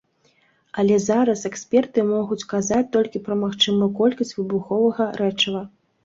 Але зараз эксперты могуць казаць толькі пра магчымую колькасць выбуховага рэчыва.